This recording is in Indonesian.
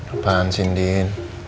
apaan sih indin